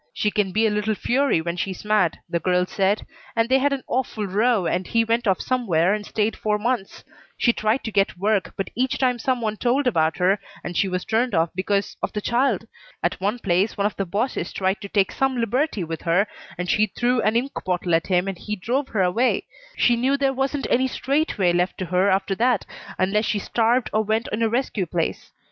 She can be a little fury when she's mad, the girl said, and they had an awful row and he went off somewhere and stayed four months. She tried to get work, but each time some one told about her and she was turned off because of the child. At one place one of the bosses tried to take some liberty with her and she threw an ink bottle at him and he drove her away. She knew there wasn't any straight way left to her after that unless she starved or went in a rescue place.